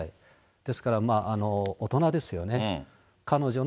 ですからまあ、大人ですよね。